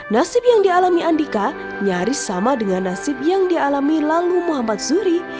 nasib yang dialami andika nyaris sama dengan nasib yang dialami lalu muhammad zuri